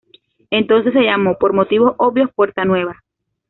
Entonces se llamó, por motivos obvios, puerta Nueva.